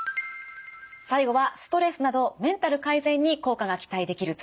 最後はストレスなどメンタル改善に効果が期待できるツボです。